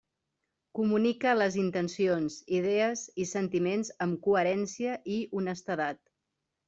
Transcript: Comunica les intencions, idees i sentiments amb coherència i honestedat.